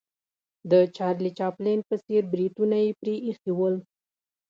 د چارلي چاپلین په څېر بریتونه یې پرې ایښې ول.